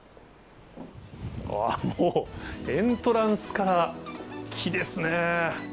あっ、もう、エントランスから、木ですね。